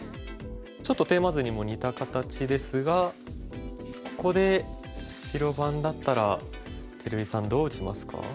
ちょっとテーマ図にも似た形ですがここで白番だったら照井さんどう打ちますか？